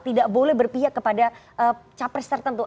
tidak boleh berpihak kepada capres tertentu